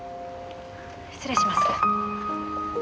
失礼します。